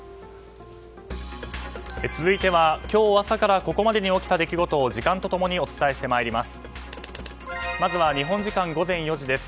続いては今日朝からここまでに起きた出来事を時間と共にお伝えしてまいります。